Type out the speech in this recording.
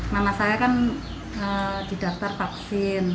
nama saya kan didaktar vaksin